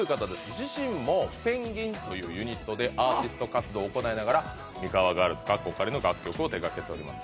自身もＰＥＮＧＩＮというユニットでアーティスト活動を行いながらミカワガールズの楽曲を手がけております